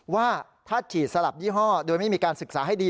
ว่าถ้าฉีดสลับยี่ห้อโดยไม่มีการศึกษาให้ดี